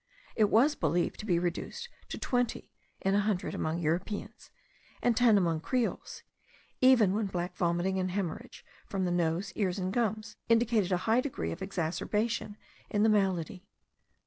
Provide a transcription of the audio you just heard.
It was believed to be reduced to twenty in a hundred among Europeans, and ten among Creoles;* even when black vomiting, and haemorrhage from the nose, ears, and gums, indicated a high degree of exacerbation in the malady.